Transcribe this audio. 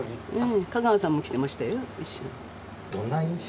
香川さんも来てましたよ、一緒に。